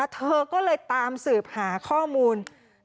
เธอก็เลยตามสืบหาข้อมูล